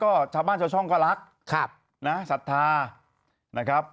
ก็ชาวบ้านชาวช่องก็รักนะศรัทธานะครับ